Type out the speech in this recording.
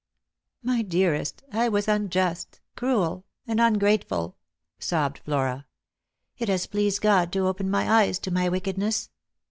" My dearest, I was unjust, cruel, ungrateful," sobbed Flora. " It has pleased God to open my eyes to my wickedness.